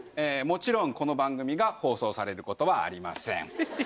もちろんこの番組が放送されることはありません。